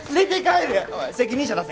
おい責任者出せ。